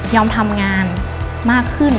ทำงานมากขึ้น